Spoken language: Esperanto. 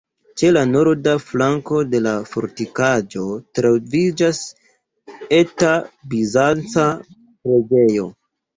Ĉe la norda flanko de la fortikaĵo troviĝas eta bizanca preĝejo.